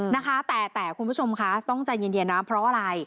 นะคะแต่แต่คุณผู้ชมคะต้องใจเย็นนะเพราะอะไร